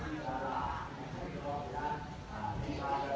สวัสดีครับคุณผู้ชาย